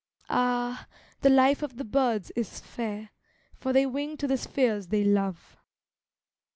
Ah! the life of the birds is fair, For they wing to the spheres they love.